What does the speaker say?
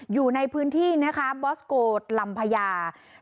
อยู่ในพื้นที่นะคะบอสโกลำพญา